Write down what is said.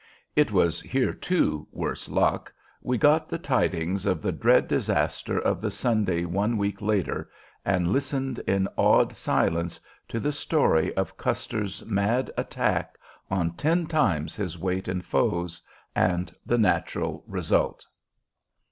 It was here, too, worse luck, we got the tidings of the dread disaster of the Sunday one week later, and listened in awed silence to the story of Custer's mad attack on ten times his weight in foes and the natural result.